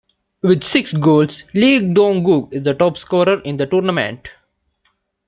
With six goals, Lee Dong-Gook is the top scorer in the tournament.